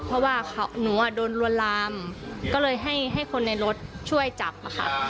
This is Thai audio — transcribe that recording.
เพราะว่าหนูอ่ะโดนลวนลามก็เลยให้คนในรถช่วยจับค่ะ